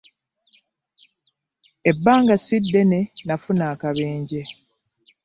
Ebbanga si ddene n'afuna akabenje.